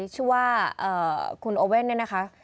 ชื่อว่าคุณโอเว่นเนี่ยนะคะ